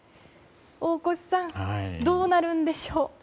大越さん、どうなるんでしょう？